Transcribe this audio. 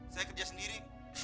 saya kerja sendiri